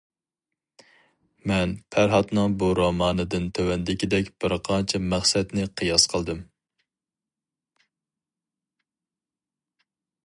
مەن پەرھاتنىڭ بۇ رومانىدىن تۆۋەندىكىدەك بىرقانچە مەقسەتنى قىياس قىلدىم.